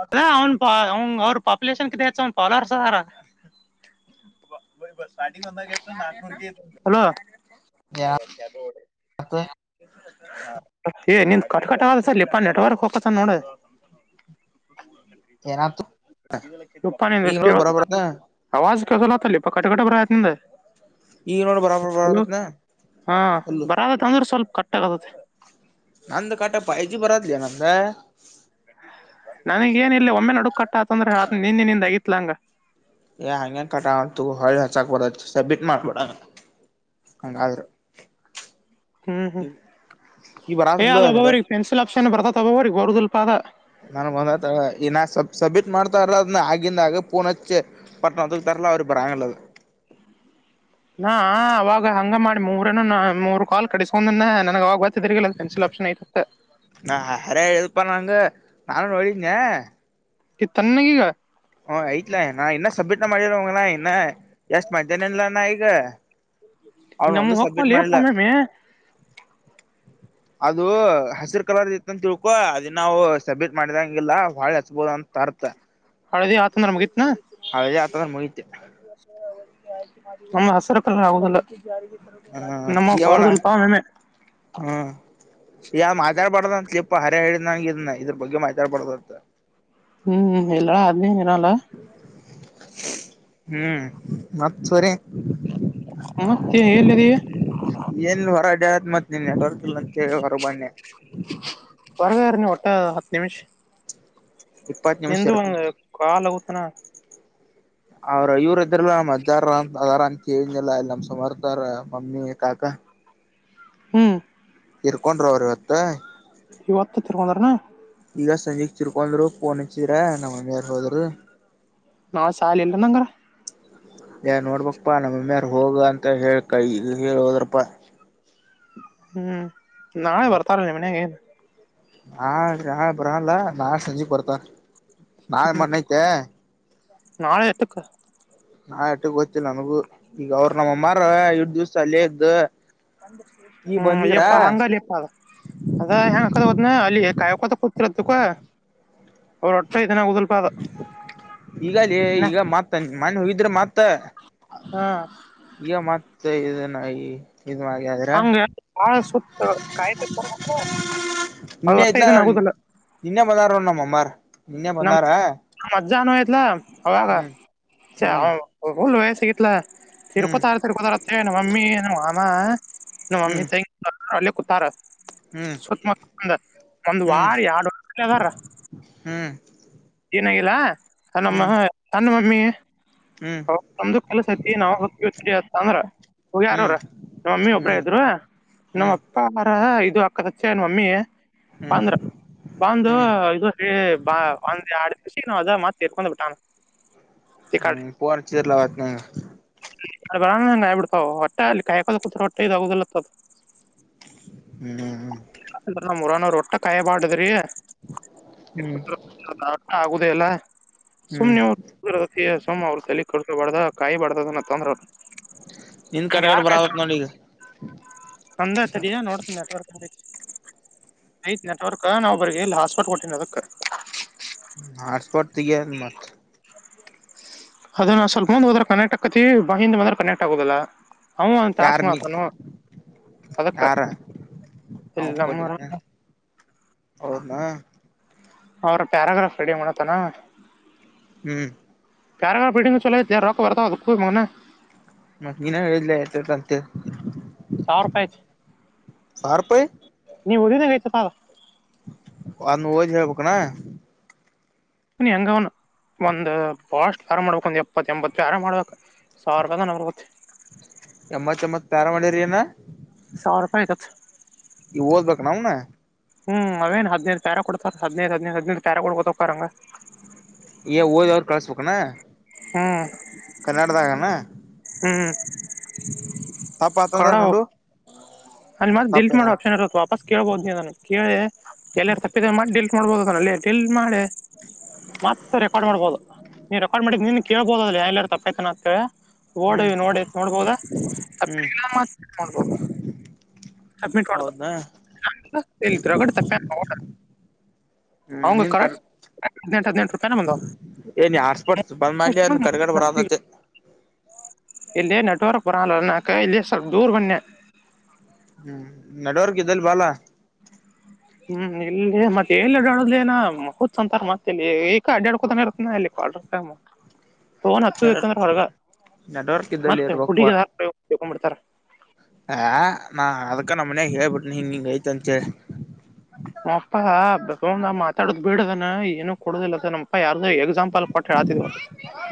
ಅ ಅವ್ನ್ ಅವನ್ ಅವ್ರ ಪಾಪುಲಷನ್ ಕತ್ತು ಅವನ್ ಫಾಲ್ಲೋರ್ಸ್ ಅದರ [inaudible] ಹಲೋ ಯ ಹತ್ ಏ ನಿಂದ್ ಕಟ್ ಕಟ್ಟಗಲ್ಲ ಸರ್ ಲಪ ನೆಟ್ವರ್ಕ್ ಹೋಗಕತ ನೋಡ [inaudible] ಏನಾತು ಈಗ ತುಪ್ಪ ನೋಡ ಬರಾಬರತ್ನ ಆವಾಜ ಕೇಳಸಲ ಆತಲ್ಲಿಪ್ಪ ಕಟಕಟ ಪ್ರಯತ್ನಿಂದ ಈಗ ನೋಡ ಬರಾಬರ್ ಹಲೋ ಬರತ್ನ ಅಲ್ಲು ಬರದತ್ತ ಅಂದ್ರೆ ಸ್ವಲ್ಪ ಕಟ್ಟಾಗತತೆ ನಂದ ಕಾಟ ಪಜಿ ಬರಾತ್ಲೆ ನಂದ ನನಗೇನಿಲ್ಲ ಒಮ್ಮೆ ನಡುಕ್ ಕಟ್ಟಾತಂದ್ರೆ ನಿನ್ನೆ ನಿಂದ ಆಗಿತ್ಲ ಹಂಗ ಹಂಗೆ ಕಟ ಅಂತು ಹೊಳ್ಳಿ ಹಚ್ಚಾಕ್ಬೋ ಸಬ್ಮಿಟ್ ಮಾಡ್ಬಡಣ ಹಂಗಾದ್ರರೆ ಹ್ಮ್ ಹ್ಮ್ ಏ ಬರತದ್ಲೋ ಅದ ನೆಟ್ವರ್ಕ್ ಒಬ್ಬೊವ್ರಿಗೆ ಪೆನ್ಸಿಲ್ ಆಪ್ಷನ್ ಬರ್ತತ್ ಒಬ್ಬೊವ್ರಿಗೆ ಹೊರ್ ಸ್ವಲ್ಪ ಅದ ನನ್ಗ್ ಬಂದತ ಈ ನಾ ಸಬ್ ಸಬ್ಮಿಟ್ ಮಾಡ್ತಾರಲ್ಲ ಅದ ಆಗಿಂದ ಆಗ ಪೂನಚ್ಚೆ ಪಟ್ ಲ್ಲ ಅವ್ರಿಗ್ ಬರಂಗಿಲ್ಲ ಅದು ಹ ನಾ ಅವಾಗ ಹಂಗ ಮಾಡಿ ಮೂರನ್ನು ಮೂರು ಕಾಲ್ ಕಡಿಸಕೊಂಡನ್ನ ನನಗ ಆವಾಗ್ ಗೊತ್ ತಿರ್ಲಿಲ್ಲ ಪೆನ್ಸಿಲ್ ಒಪ್ಶನ್ ಐ ನಾ ಹರೇ ಹೇಳ್ ಪ ನಂದ್ ನಾನು ನೋಡಿದ್ನೇ ಕತ್ತನ್ ಈಗ ಹ ಐತ್ಲ ನಾ ಇನ್ನ ಸಬ್ಮಿಟ್ ಮಾಡಿದರವಂಗನ ಇನ್ನ ಎಷ್ಟ್ ಮನ ಇಲ್ಲ ಗ್ ಅವನು ನಮ್ಮ ಒಂದು ಸಬ್ಮಿಟ್ ಹೋಗ್ವಲ್ಲಿ ಮಾಡಿಲ್ಲ ಒಮ್ಮೆ ಅದು ಹಸಿರು ಕಲರ್ ಇತ್ತ ಅಂತ ತಿಳ್ಕೊ ಅದನ್ನ ನಾವು ಸಬ್ಮಿಟ್ ಮಾಡಿದಂಗಿಲ್ಲ ಬಾಳೆ ಹಚ್ಬೋದ ಅಂತ ಅರ್ತ ಹಳದಿ ಆತ ಮುಗಿತ್ ಹಳದಿ ಆಯ್ತ್ ಅಂದ್ರೆ ಮುಗಿತು ನಮ್ಮ ಹಸಿರು ಕಲ್ಲ ಆಗುದಲ್ಲ ಹ್ಮ ವಣ ಹ್ಮ್ ಯ ಮಾರಾಡ್ಬಾರ್ಡ್ ಲ್ಯಾಪ್ಪ ಹರೇ ಹೇಳಿದ ನಂಗ ಇದನ್ನ ಇದ್ರ ಬಗ್ಗೆ ಮಾತಾಡ್ಬಾರದಂತ ಹ್ಮ್ ಎಲ್ಲ ಆದ್ನೇನಿರಲ್ಲ ಹ್ಮ್ ಮತ್ ಸೂರಿ ನಿ ಎಲ್ಲಿದ್ಯಾ ಅದ್ ಮತ್ ನಿನ್ ನೆಟ್ವರ್ಕ್ ಇಲ್ಲಾಂಟೆಲ್ ಹೊರಗ್ ಬಂದ್ನೇ ಹೊರಗಾರು ನಿ ಒಟ್ಟ ಹತ್ತು ನಿಮಿಷ್ ಇಪ್ಪತ್ ನಿಮಿಷ ನಿಂದು ಒ ಇರ್ತಂತ ಕಾಲಗತನಾ ಅವ್ರ ಇವ್ರ ಇದ್ರ ನ ಹಜಾರ್ ಹಾರ ಅಂತಂತನಲ್ಲ ಇ ನಮ್ ಸಮುರ್ತಾರ ಮಮ್ಮಿ ಕಾಕಾ ಹ್ಮ್ ಇರ್ಕೊಂಡ್ರ ಅವ್ರ ಇವತ್ತ ಇವತ್ತು ತಿರ್ಕೊಂಡಾರನ ಈಗ ಸಂಜೆ ಚಿರ್ಕೊಂಡ್ರು ಫೋನ್ ಇಚ್ಚಿದ್ರ ನಮ್ಮ್ ಮನಾರ್ ಹೋದರು ನಾ ಶಾಲೆ ಇಲ್ಲ ನಂಗರ ಯಏ ನೋಡ್ಬಕ್ಪ್ಪಾ ನಮ್ಮಮ್ಮ್ಯಾರ ಹೋಗ ಅಂತ ಹೇಳ ಕೈ ಹೇಳ ಹೋದ್ರಪ್ಪಾ ಹ್ಮ್ ನಾಳೆ ಬರ್ತಾರ ನಿ ಮನೆಗೆ ನಾ ನಾಳೆ ಬರಲ್ಲ ನಾಳೆ ಸಂಜೆ ಬರ್ತ ನಾಳೆ ಮಐತೆ ನಾಳೆ ಎತ್ತುಕ್ಕ ನಾ ಆಟ ಗೊತ್ತಿಲ್ಲ ನನಗೂ ಈಗ ಅವ್ರ ನಮ್ಮಮ್ಮರ ಡ್ ದಿವ್ಸ ಅಲ್ಲೇ ಇದದ್ದ ಹ್ಮ್ ಅಯ್ಯಪ್ಪ ಹಂಗಲ್ಲಿ ಇಪ್ಪ ಅದ ಅದ ಹೆಂಗ ಹೋದನ ಅಲ್ಲಿ ಕಾಯಕತ ಕೊ ತು ಅವ ರತನಗದ ಈಗಲ ಈಗ ಮತ್ ಮನೆ ಹೋಗಿದ್ರೆ ಮತ್ ಮತ್ತ ಹಾ ಈಗ ಮತ್ತೆ ಇದನ ಈ ಹಂಗ ಹಾ ಸುತ ಕೈಬ್ಜಕೊಬೇಕು ಇನ್ನ ಇಲ ನಿನ್ನ ಬಂದಾರ ನಮ್ಮಮಾರ್ ಅನ್ನಾರಾ ಜಾನಯತ್ಲ ಹಾಗ ಹ್ಮ್ ಉಲ್ ಸಿಗಲ ಹ್ಮ್ ತಿರ್ಕೊತಾರ ತಿರ್ಕೋತಾರತ್ತೆ ನಮ್ಮ ಮಮ್ಮಿ ನಮ್ಮ ಮಾಮಾ ನಮ್ಮ ಮಮ್ಮಿ ಹ್ಮ್ ತಂಗ ಅಲ್ಲಿ ಕುತಾರ ಹ್ಮ್ ಸುತ್ತಮ ಒಂದ್ ಹ್ಮ್ ಹ್ಮ್ ವಾರ ಎರಡು ಅದಾರ ಹ್ಮ್ ಏನಾಗಿಲ್ಲ ತನ್ನಮ್ಮ ತನ್ನ ಮಮ್ಮಿ ಹ್ಮ್ ಹೌ ನಮ್ದು ಕೆಲಸ ಐತಿ ನಾವವು ಹೊತ್ವಿ ಅತ್ತ ಅಂದ್ರ ಹ ಹ್ಮ್ ಹ್ಮ್ ಯಾರ್ರ ನಮ್ಮ ಮಮ್ಮಿ ಒಬ್ರ ಹ್ಮ್ ಇದ್ರು ನಮ್ಮ್ ಹ್ಮ್ ಅಪ್ಪಾರ ಇದು ಅಕ್ಕದಚ್ಚೆ ಏನ್ ಮಮ್ಮಿ ಹ್ಮ್ ಬಾಂದ್ರ ಬಾಂದ ಹ್ಮ್ ಇದು ಹೇಳ ಬಾ ಅ ಸೀ ನ ಅ ಮಾತೇಕೊೊಂಡ ಬಿಟ್ಟಾನ ಈ ಕಡೆ ಪೋರ್ ಚಿರ್ಲ್ಲ ವತನ ಗ್ಬ ಬಿಡ್ತಾವ ಹೊಟ್ಟೆ ಅಲ್ಲಿ ಕಾಯಕೋೂ ಹೊಟ್ಟೆ ಇದದುುದತ್ತದದು ಹ್ಮ್ ರೊಟ್ಟ ಕಾಯಪಾಡಿದ್ರೀ ಹ್ಮ್ ಆಗುದ ಎಲ್ಲ ಹ್ಮ್ ಸುಮ್ನೆ ಸುಮ್ ಅವ್ರ ತ ಕಡಸಬಾರ್ದ ಕಾಯಿ ಬಾರ್ದದ ಅನ್ನ ತೊಂದ್ರ ಅವರು ನಿನ್ ನ ಕಡೆಗಡೆ ಯಾರ್ ಬರತ್ ನೋಡಿ ಈಗ ತಂದ ಆ್ತ ನೋಡತಿನ್ ನೆಟ್ವರ್ಕ್ ಐತ್ ನೆಟ್ವರ್ಕ್ ನಾವು ಬರ್ಗೆ ಎಲ್ಲ ಹಾಸ್ಪಿಟ್ ಕೊಟ್ಟೀನ ಅದಕ್ ಹಾಟ್ಸ್ಪೋಟ್ ತಗೆ ಮತ್ತ ಅದ ನಾ ಸ್ವಲ್ಪ ಮುಂದ್ ಹೋದ್ರೆ ಕನೆಕ್ಟ್ ಆಾಕತಿವಿ ಬಾಯಿಂದಂದ್ರೆ ಕನೆಕ್ಟ್ ಆಗೋುದಲ್ಲ ಅವ ಟಾಸ್ ಯಾರ್ ನೀ ಮಾಡತನ ಅದಕ್ಕ ಯಾರ ಎಲ್ಲಮ್ಮರ ಹೌದನಾ ಅವರ ಪ್ಯಾರಾಗ್ರಾಫ್ ರೆಡಿ ಮಾಡತಾನ ಹ್ಮ್ ಕ್ಯಾರ ಬೇಟಿಂಗು ಚಲೋ ರೊಕ್ಕ ವರೂಣೆ ಮತ್ತ ನೀನ ಹೇಳಿಲ್ಲ ಆತ ಅಂತ ಸಾವಿರ ರೂಪಾಯಿ ಐತಿ ಸಾರಪಾಯಿ ನೀವು ಉದಿದಾಗೈತ ಪಾವ ವಲ ಹೋಗಿ ಹೇಳಬೇಕ ಏನ ನೀ ಹೆಂಗ ಅವನು ಒಂದ್ ಬಹಷ್ಟ ವ್ಯಾರ ಮಾಡ್ಬೇಕು ಒಂದ್ ಎಪ್ಪತ್ತ ಎಂಬತ್ತು ಯಾರ ಮಾಡ್ಬೇಕಕ್ ಸಾವಿರನತ್ತ [inaudible] ಎಮ್ಮತ್ ಎಮ್ಮತ್ ಪ್ಯಾರ ಮಂಡರಿ ಏನ ಸಾರುಪಯಿ ದೆಪ್ ಈ ಓದ್ಬೇಕ ನೌನ ಹ್ಮ್ ಅವೇನ್ ಹದ್ದು ತರ ಕೊಡ್ತಾರ ಹದಿನೈದು ಹದಿನೈದು ಹದ್ದು ತರ ಕೊಡ್ಕೊತ್ತಕ್ಕರಂಗ ಏ ಓದ ಅವ್ರು ಕ್ಾಸ್ ಬಕ್ಕಣ ಹಾ ಕನ್ನಡದಾಗಣ ಹ್ಮ್ ತಪ್ಪತಂದಾರ ಕನ್ನಡ ನೋಡು ಅಲ್ಲಿ ಮತ್ತತ್ ಡಿಲ್ಟ್ ತಪ್ಪೇನ ಮಾಡೋ ಆಪ್ಷನ್ ಇರುತ್ತೆ ವಾಪಸ್ ಕೇಳಬಹೋ ನೀನ ಕೇಳಿ ಎಲ್ಲಾರ ತಪ್ಪಿದ ಮತ್ತತ್ ಡಿಲ್ಟ್ ಮಾಡ್ಬೋದುದ ಅಲ್ಲಿ ಎಲ್ ಮಾಡೆ ಮತ್ತೆ ರೆಕಾರ್ಡ್ ಮಾಡ್ಬೋದು ನೀನ್ ರೆಕಾರ್ಡ್ ಮಾಡಕ್ ನಿನ್ ಕೇಳಬೋದಿಲ್ಲಲ್ಲ ಎಲ್ಲಾರ ತಪ್ಪ ಕನ ಆಕ್ತವೆ ಹ್ಮ್ ಓಡವಿ ನೋಡಿ ನೋಡ್ಬೋದಾ ಹ್ಮ್ ಅಡೆಲ್ಲ ನೋಡ್ಬೋದು ಸಬ್ಮಿಟ್ ಹೌದಾ ಮಾಡಡರಗ ತಪ್ಪ ಹ್ಮ್ ಹಂಗ ನಿನ್ ಕರ್ ಕರೆಕ್ಟ್ ಹದ್ನೆಂಟು ಹದಿನೆಂಟು ರೂಪಾಯಿನ ಬಂದ ನೀ ಆಡ್ಸ್ಬಡ್ ಬಂದ ಮಲ್ಯದ್ ಕಡುಗಡೆ ಬರದತ್ತತೆ ಇಲ್ಲ ನೆಟ್ವರ್ಕ್ ಬರಲ್ಲನಕ ಇಲ್ಲಿ ಸ್ವಲ್ಪ ದೂರ್ ಬನ್ನೆ ಹ್ಮ್ ನೆಟ್ವರ್ಕ್ ಇದ್ದಲ್ಲಿ ಬಾಲ ಹ್ಮ್ ಇಲ್ಲ ಮತ್ತೆ ಎಲ್ಲಡಾಡುದ ಏನ ಅಂತ ಮತ್ತ ಏಕ ಅಡ್ಯಾಡ ಕೊತ್ತ ಇರ್ತೇನಿ ನಾ ಇಲ್ಲಿ ಕ್ವಾಟರಸ್ ದಾಗ ಮತ್ತ ಫೋನ್ ನೆಟ್ವರ್ಕ್ ಹಚ್ಚುದಿತ್ತಂದ್ರ ಹೊರಗ ನೆಟ್ವರ್ಕ್ ಇದ್ದಲ್ಲಿ ಮತ್ತ ಪುಕೊಂಡ್ ಬಿಡ್ತಾರ ಹ ನಾ ಅದಕ್ಕ ನಮ್ ಮನ್ಯಾಗ ಹೇಳ್ಬಿಟ್ಟೆನಿ ಹಿಂಗ ಹಿಂಗ ಐತಿ ಅಂತ ಹೇಳಿ ನಮ್ಮಪ್ಪ ಫೋನ್ದಾಗ್ ಮಾತಾಡುದ ಬಿಡಂತಂದಾನ್ ಏನು ಕೊಡುದಿಲ್ಲ ನಮ್ಮಪ್ಪ ಯಾರು ಎಕ್ಸಾಂಪಲ್ ಕೊಟ್ಟ ಹೇಳತಿದ್ದ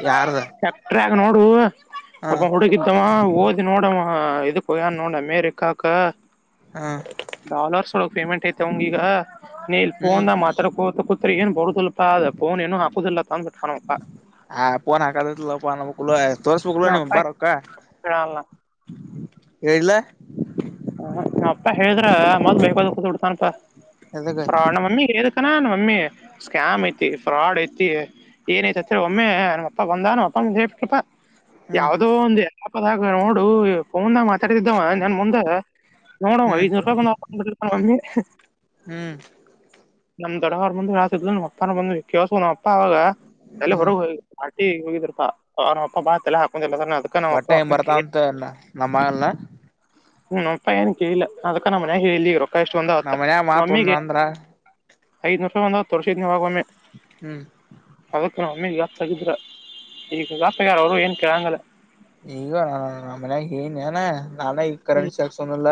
ಯಾರ್ದ ಟ್ರ್ಯಾಕ್ಟರ್ನ್ಯಾಗ ನೋಡು ಹ ಅ ಹುಡುಗಿದ್ದ ಓದಿ ನೋಡವಾ ಇದುಕ್ ಹೋಗ್ಯಾನ್ ನೋಡ ಅಮೇರಿಕಾಕ ಹ ಡಾಲರ್ಸ್ ಒಳಗೆ ಪೇಮೆಂಟ್ ಐತ ಅವಂಗ ಈಗ ನೀ ಇಲ್ ಹ್ಮ್ ಫೋನ್ ಮಾತಾಡಕೊಂತ ಕೂತ್ರ ಈಗ ಏನ್ ಬರು ಇಲ್ಲ ಪಾ ಅದ್ ಫೋನ್ಏನು ಹಪುದಿಲ್ಲಪಾ ಅಂದಬಿಟ್ಟ ನಮ್ಮಪ್ಪ ಹಾ ಪೋನ್ ಹಕ ಪೋನ ಮುಕ್ಲ ತ ಮುಕ್ಲ ನೀ ನಮ್ಮಪ್ಪ ಬಾರ ಕ ಹೇಳಲ್ಲ ಕೇಳಲ ನ ಅಪ್ಪ ಹೇಳಿದ್ರ ಮದ್ ಬೇಕದ ಕೂತ್ಡ್ತಾನಪಾ ಎದಕ್ಕ ಫಾಡ್ ನ ಮಮ್ಮಿಗೆದ ಅಣ್ಣಾ ನಮ್ ಮಮ್ಮಿ ಸ್ಕ್ಯಾಮ್ ಐತಿ ಫ್ರಾಡ್ ಐತಿ ಏನ ಐತೆತ್ ಒಮ್ಮೆ ನಮ್ಮ ಅಪ್ಪ ಬಂದಾನು ಅಪ್ಪ ಹೇಳ್ಪ್ಪಾ [unintelligible] ಹ್ಮ್ ಯಾವ್ದೋ ಒಂದು ಆಪ್ದಾಗ ನೋಡು ಫೋನ್ದಾಗ ಮಾತಾಡತಿದ್ದವ ನನ್ ಮುಂದೆ ನೋಡ ಹ್ಮ್ ಐದನೂ ರೂಪಾಯ ರೂಪಮ್ಮಿ ಹ್ಮ್ ನಮ್ಮ್ ದಡವರ ಬಂದು ಯ ನಮ್ಮ ಅಪ್ಪ ಬಂದು ವ್ಯ ನಮ್ಮ ಅಪ್ಪ ಅವಾಗ ಅಲ್ಲಿ ಹ್ಮ್ ಹೊರಗೆಿ ಪ್ಪಲ್ಲ ಹಕಲ್ಲ ಹೊಟ್ಟೆ ಹೆ ಬರ್ತಾಂತ ನಮ್ಮಮ್ಮಾಗಲ್ನ ಹ್ಮ ಅಪ್ಪ ಏನ್ ಕೇಳಿಲ್ಲ ಅದಕ್ಕ ನ್ ಮನ್ಯಾಗ ಹೇಳಲಿ ಈಗ ರೊಕ್ಕ ಎಷ್ಟೊಂದ್ ಆವತ್ತ ನಮ್ಮ್ ಮನ್ಯಾಗ ಮಾತ್ ಒಂದ ಮಮ್ಮಿಗೆ ಅಂದ್ರ ಐದ ನರ್ಷ ಒಂದತ್ತುರ್ಷನವಾಗಮ್ಮೆ ಹ್ಮ್ ನಮ್ಮಿ ಗಾಸ್ ತಗಿದ್ರ ಈಗ ಗಾಸ್ಗ್ಯಾರ ಅವರು ಏನ್ ಕೇಳಂಗಲ್ಲ ಈಗ ಮನ್ಯಾಗ ಏನ್ ನಾನ ಈಗ ಕರೆನ್ಸಿ ಹಾಕ್ಸೋ ದಿಲ್ಲ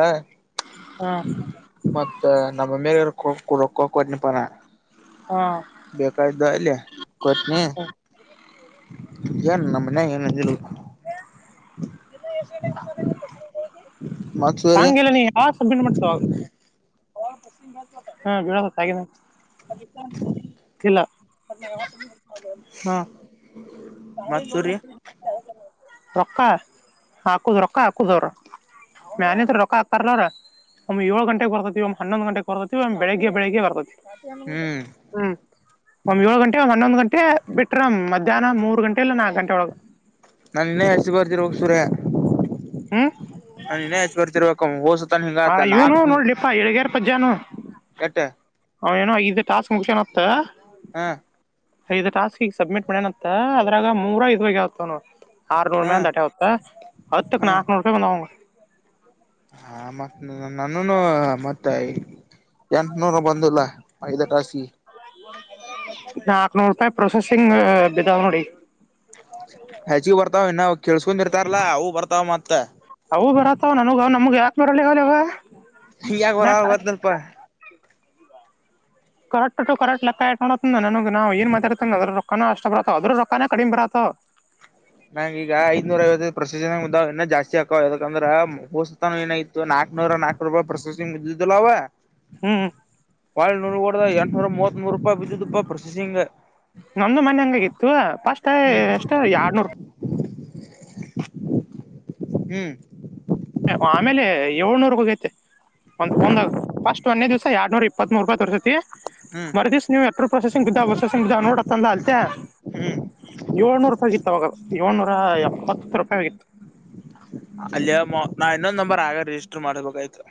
ಹ ಇ ನಮ್ಮಮ್ಮಿ ಹೇಳಿರ ಕೋ ರೊಕ್ಕ ಕೊಟ್ನಿ ಪಾ ನಾ ಹಾ ಬೇಕಾಯ್ದು ಅಲ್ಲಿ ಕೊಟ್ನಿ ಏನ್ ನಮ್ಮನ್ಯಾಗ್ ಏನ್ ಅಂದಿಲ್ಲು ಇ ಎ ಹಿ [unintelligible] ಮತ್ ಸೂರ್ಯ ಸಾಂಗಗೆಲ್ಲ ನೀ ಯಾವಗ್ ಸಬ್ಮಿಂಟ್ ಮಾಡ್ತಿ ಅವಾಗ್ ಹಾ ಗ ಇಲ್ಲ [inaudible] ಹ್ಮ ಮತ್ ಸೂರ್ಯ ರೊಕ್ಕ ಹಾಕುದ್ ರೊಕ್ಕ ಹಾಕುದ್ ಅವರ್ ಮ್ಯಾಲಿಂತರ ರೊಕ್ಕಾ ಹಾಕ್ತಾರಿಲ್ಲ ಅವ್ರ್ ಒಮ್ಮಿ ಏಳು ಗಂಟೆಗೆ ಬರ್ತೈತಿ ಒಮ್ಮೆ ಹನ್ನೊಂದು ಗಂಟ ಬರ್ತೈತಿ ಒಮ್ಮೆ ಬೆಳಗ್ಗೆ ಬೆಳಗ್ಗೆ ಬರ್ತೈತಿ. ಹ್ಮ್ ಹ್ಮ್ ಒಮ್ಮೆ ಏಳು ಘಂಟೆ ಒಮ್ಮೆ ಹನ್ನೊಂದು ಘಂಟೆ ಬಿಟ್ರ ಮದ್ಯಾಹ್ನ ಮೂರ್ ಮೂರ್ ಗಂಟೆ ಇಲ್ಲ ನಾಕ್ ಗಂಟೆ ಒಳಗ. ನಾನ್ ನಿನ್ನೆ ಹ್ಮ್ [unintelligible] ಸೂರ್ಯ. [unintelligible] ಮಧ್ಯಾನು ಕೆಟ್ಟ ಅವ ಏನೋ ಐದ್ ಟಾಸ್ಕ್ ಮುಗ್ಸುಯಾನಂತ. ಹಾ ಐದ ಟಾಸ್ಕ್ ಈಗ ಸಬ್ಮಿಟ್ ಮಾಡ್ಯನತ್ತ ಅದ್ರಾಗ ಮೂರ [unintelligible] ನೋಡ್. ಆರ್ನೂರ್ ಹ ಮೇಲೆ ದಾಟ್ಯಾವ್ ಅಂತಾ ಹತ್ತಕ್ ನಾಕ್ ನೂರ್ ರೂಪಾಯಿ ಬಂದವ್. [unintelligible] ಹಾ ಮತ್ ನನನೂ ಮತ್ತ ಎಂಟ ನೂರು ಬಂದಿಲ್ಲ. ಐದ ಟಾಸ್ಕಿಗೆ. ನಾಕ್ನೂರು ರೂಪಾಯಿ ಪ್ರೊಸೆಸಿಂಗ್ ಬಿದ್ದಾವ ನೋಡಿ. ಹೆಚಗಿ ಬರ್ತಾವ ಇನ್ನು ಕೇಸ್ಕೊಂಡ್ ಇರ್ತಾರಲ್ಲಾ ಅವು ಬರ್ತಾವ್ ಮತ್ತ. ಅವು ಬರತ್ತವ ನನಗ ಅವ ನಮ್ಗ ಯಾಕ್ [unintelligible] ಈ ಯಾಗ್. [unintelligible] ಕರೆಕ್ಟ್ ಕರೆಕ್ಟ್ ಕ್ ಇಕೋ ನನ ನಾವ ಏನ್ ಮಾತಾಡ್ತ ಅದ್ರ ರೊಕ್ಕ್ ಅಷ್ಟ ಬರತ್ತ ಅದ್ರ ರೊಕ್ಕಾನೆ ಕಡಿಮೆ ಬರತ್ತಾವ್. ನಂಗ ಈಗ ಐದ್ನೂರ್ ಅರವತ್ತೈದು ಪ್ರೋಸೆಸ್ಸಿಂಗ್ [unintelligible] ಇನ್ನ ಜಾಸ್ತಿ ಹಕೋ ಯಾಕಂದ್ರೆ ಹೊಸತಾನ ಏನೋ ಇತ್ತು ನಾಕ್ ನೂರ ನಾಕ್ ರುಪಾಯ್ ಪ್ರೋಸೆಸ್ಸಿಂಗ್ [unintelligible] ಬಿದ್ದಿದ್ದಿಲ್ಲವ್ವ. ಹ್ಮ್ [unintelligible] ಎಂಟ್ನೂರ ಮೂವತ್ತೂಮೂರ್ ರೂಪಾಯಿ ಬಿದಿದ್ದು ಪ್ರೊಸೆಸಿಂಗ್. ನಮ್ದು ಮೊನ್ನೇ ಹಂಗಾಗಿತ್ತು ಪಸ್ಟ್ ಹ್ಮ್ ಹ್ಮ್ ಆಮೇಲೆ ಏಳ್ನೂರ್ಗೆ ಹೋಗೈತೆ. ಅದ್ಕೊಂದು ಫಸ್ಟ್ ಒನ್ನೇ ದಿಸಾ ಎಡ್ನೂರ ಇಪ್ಪತ್ಮೂರ್ ರೂಪಾಯ ಕಟ್ ಹ್ಮ್ ಮರದೀಸ ನೀವು ಎರು ಪ್ರೊಸೆಸಿಂಗ್ ಬ್ ಪ್ರೊಸೆಸಿಂಗ್ ಇದ [unintelligible] ಹ್ಮ್ ಯೋಲ್ನೂರ್ ರೂಪಾಯ್ ಆಗಿತ್ತ್ ಅವಾಗ ಏಳ್ನೂರ ಎಪ್ಪತ್ತ ರೂಪಾಯ್ ಆಗಿತ್ತು. ಅಲ್ಲಿಯ ನಾ ಇನ್ನೊಂದ್ ನಂಬರ್ ಆಗ ರಿಜಿಸ್ಟರ್ ಮಾಡ್ಬೇಕಾಯ್ತು.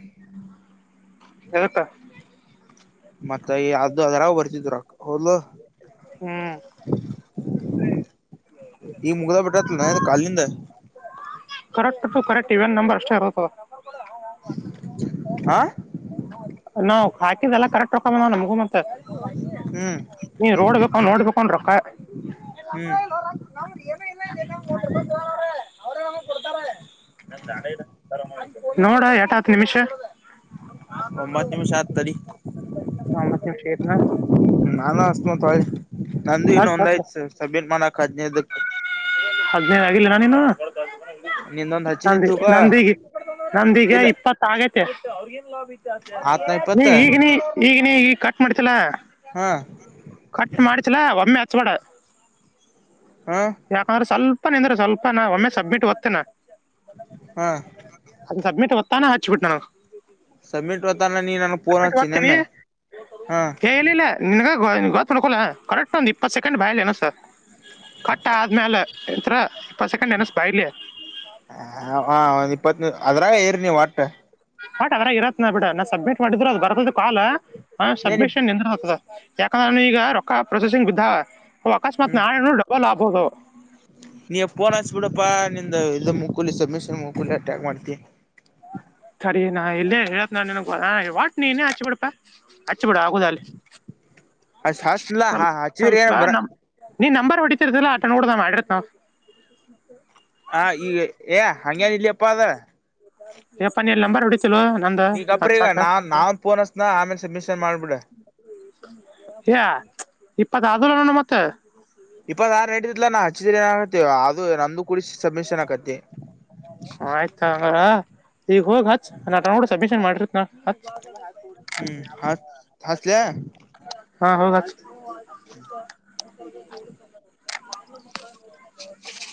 [unintelligible] ಮತ್ತ ಅದು ಅದರ ಬರ್ತಿದ್ರಕ ಹೌದ್ಲಾ ಹ್ಮ್ ಈ ಮುಗ್ದ ಬೆ ಕರೆಕ್ಟ್ ತು ಕರೆಕ್ಟ್ ಇವೆನ್ ನಂಬರ್ ಎಷ್ಟ ಆಗ್ಬೇಕ್ ಆ ನಾವ್ ಹಾಕಿದ್ ಎಲ್ಲ ಕರೆಕ್ಟ್ಕ ಆಕವ್ ನೋಡ್ ನಮಗೂನೂ. ಹ್ಮ್ ನೀ ನೋಡ್ಬೇಕ ನೋಡ್ಬೇಕನ್ ರೊಕ್ಕ ಹ್ಮ್ [unintelligible] ನೋಡ [unintelligible] ನಿಮಿಷ. ಒಂಬತ್ತ್ ನಿಂಷ್ ಆತ್ ತಡಿ ಒಂಬತ್ತು ನಿಮಿಷ ಐತ್ನಾ ನಾನಾ ನಂದು ಇನ್ನ್ ಹತ್ ಒಂದ ಹತ್ ಐತ್ ಸಬ್ಮಿಟ್ [unintelligible] ಹದ್ನೈದಕ್ಕ ನಂದಿ ತಿಳ್ಕೊ ನಂದೀ ನಂದೀಗ ಇಲ್ಲ ಇಪ್ಪತ್ತ ಆಗೇತೆ ಆತ್ನ ನೀ ಇಪ್ಪತ್ತ ಈಗ್ ನೀ ಈಗ್ ನೀ ಈಗ್ ಕಟ್ ಮಾಡ್ತಿಯಲ ಹಾ ಕಟ್ ಮಾಡ್ತಿಯಲ ಒಮ್ಮೆ ಹಚ್ಬೇಡ. ಹಾ ಯಾಕಂದ್ರೆ ಸ್ವಲ್ಪ ನಿಂದ್ರ್ ಸ್ವಲ್ಪ ನ್ ಒಮ್ಮೆ ಸಬ್ಮಿಟ್ ವತ್ತೇನಾ ಹಾ ಸಬ್ಮಿಟ್ ಹೊತ್ತಾನ ಹಚ್ ಸಬ್ಮಿಟ್ ಹೊತಾನ ನೀ ನನಗೆ ಪೋನ್ಚ್ಚಿ ಒತ್ತೀನಿ ನಿಮ್ಮೆ ಹಾ. ಗೊ ನಡ್ಕೋಲ್ಲ ಕರೆಕ್ಟ್ ಒಂದ್ ಇಪ್ಪತ್ ಸೆಕೆಂಡ್ ಬಾಯಲ್ ಎಣ್ಣ್ಸ್. ಕಟ್ಟ್ ಆದ್ಮೇಲೆ ಇತರ ಇಪ್ಪತ್ ಸೆಕೆಂಡ್ ಎಣ್ಣ್ಸ್ ಬಾಯಲ್ಲೇ. ಹ ಒಂದ್ ಇಪ್ಪತ್ ಅದ್ರಾಗ ಇರು ನೀನ್ ಒಟ್ ಬಟ್ ಅದರ ಇರತ್ನಾ ಬಿಡ ನಾನ್ ಸಬ್ಮಿಟ್ ಮಾಡಿದ್ರು ಅದ್ ಬರ್ತದ ಕಾಲ್ ಏನ್ ಸಬ್ಮಿಷನ್ [unintelligible] ಯಾಕಂದ್ರನು ಈಗ ರೊಕ್ಕ ಪ್ರೊಸೆಸಿಂಗ್ ಬಿದ್ದಾವ ಅಕಸ್ಮಾತ್ ಹ್ಮ್ ನಾಳೆನು ಡಬ್ಬಲ್ ಆಬಹುದು. ನೀ ಫೋನ್ ಹಚ್ಚಿಬಿಡಪ್ಪ ನಿಂದ ಇದ ಮುಕೂಲಿ ಸುಭ್ಮಿಷನ್ ಮುಕೂಲಿ ಮತ್ ಯಾಕ್ ಮಾಡ್ತಿ ತಡಿ ನಾನ್ ಇಲ್ಲೇ ಹೇಳತಿನಿ ನಿನಗ ವಾಟ್ನೀನೇ ಹಚ್ಬಬಿಡಪ್ಪ ಹಚ್ಚ್ ಬಿಡ ಆಗುದಾಗ್ಲಿ ಅಷ್ಟ್ ಹಸ್ಲಾ ಹ ಸ್ವಲ್ಪ ಹಚ್ಚಿದ್ರ ಸ್ವಲ್ಪ ಏನ್ ಬರ ನಮ್ ನೀ ನಂಬರ್ ಹೊಡತಿರದಿಲ್ಲ ಅಟ ನೋಡದಾಮ ಅಡ್ರೆಸ್ ನಾವು. ಹ ಈಗ ಏ ಹಂಗೆೇನ್ ಇಲ್ಲಿಯಪ್ಪ ಅದ. ಯಪ್ಪಾ ನಿನ್ನ ನಂಬರ್ ಹೊಡಿ ನೀಗಪ್ರ ಇರುನಾನ್ ನಾನ್ ಪೋನ್ ಹಚ್ಚನ ಆಮೇಲೆ ಸುಭ್ಮಿಷನ್ ಮಾಡ್ಬಿಡು ಹೇ ಇಪ್ಪತ್ ಅದು ನೋಡುಮತ್ತೆ ಇಪ್ಪತ್ತ ಆರ ನೆಡಿತಾಯಿತ್ಲೆ ನಾ ಹಚ್ಚಿದ ಏನಕತ್ತ ಅದು ನಂದು ಕೂಡ ಸಬ್ಮಿಷನ್ ಆಕತಿ ಆಯ್ತಾ ಹಂಗ ಈಗ ಹೋಗ ಹಚ್ ನಾನ್ ಸಬ್ಮಿಷನ್ ಮಾಡಿರತ್ನಾ ಹಚ್ ಹ್ಮ್ ಆಯ್ತ್ ಹಚ್ಚಲೆ ಹಾ ಹೋಗ್ ಹಚ್ಚ್. [inaudible]